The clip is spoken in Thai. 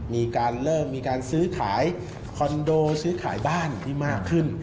มีการเริ่มมีการซื้อขายคอนโดซื้อขายบ้านที่มากขึ้น